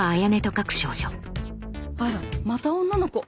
あらまた女の子。